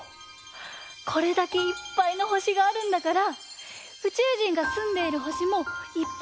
これだけいっぱいの星があるんだからうちゅうじんがすんでいる星もいっぱいあるとおもわない？